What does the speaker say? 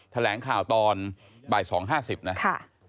แถลงข่าวตอนบ่าย๒๕๐นะ